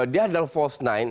dia adalah false nine